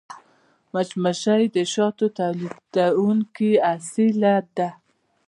مچمچۍ د شاتو تولیدوونکې اصلیه ده